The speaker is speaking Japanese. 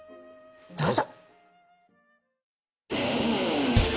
どうぞ。